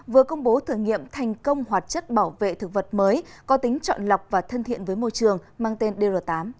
vừa công bố thử nghiệm thành công hoạt chất bảo vệ thực vật mới có tính chọn lọc và thân thiện với môi trường mang tên dr tám